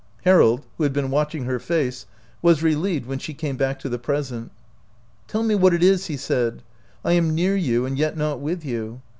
Harold, who had been watching her face, was relieved when she came back to the present. "Tell me what it is," he said. "I am near you and yet not with you.